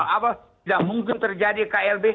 abal abal tidak mungkin terjadi klb